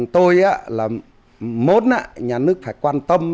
tôi là mốt nhà nước phải quan tâm